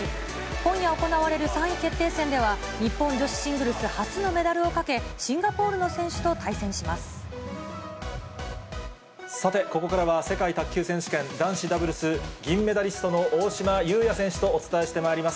今夜行われる３位決定戦では、日本女子シングルス初のメダルをかけ、シンガポールの選手と対戦さて、ここからは世界卓球選手権男子ダブルス銀メダリストの大島祐哉選手とお伝えしてまいります。